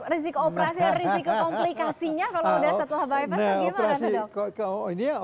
resiko operasi dan resiko komplikasinya kalau sudah satu haba habas itu bagaimana dok